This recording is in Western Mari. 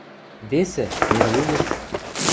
Весӹ – нерлу гӹц.